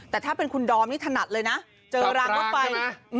แต่ถ้าเป็นคุณดอมนี่ถนัดเลยนะเจอรางรถไฟ